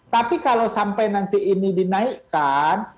tapi kalau sampai nanti ini dinaikkan